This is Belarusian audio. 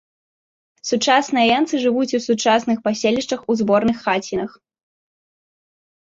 Сучасныя энцы жывуць у сучасных паселішчах у зборных хацінах.